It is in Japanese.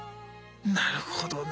なるほどね。